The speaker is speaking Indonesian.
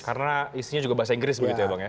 karena isinya juga bahasa inggris begitu ya bang